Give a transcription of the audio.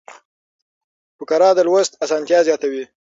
فقره د لوست اسانتیا زیاتوي.